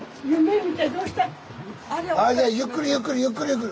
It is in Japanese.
ゆっくりゆっくりゆっくりゆっくり！